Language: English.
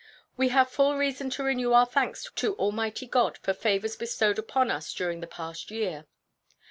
We have full reason to renew our thanks to Almighty God for favors bestowed upon us during the past year.